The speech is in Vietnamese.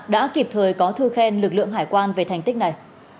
đã kịp thời có thư khen lực lượng hải quan về thành tích này